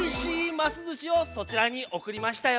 ますずしをそちらにおくりましたよ。